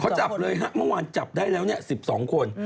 เขาจับเลยฮะเมื่อวานจับได้แล้ว๑๒คน